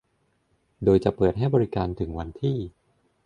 โดยจะเปิดให้บริการถึงวันที่